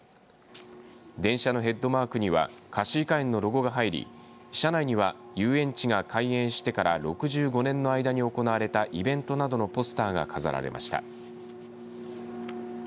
電車のヘッドマークにはかしいかえんのロゴが入り車内には遊園地が開園してから６５年の間に行われたイベントなどのポスターが飾られました。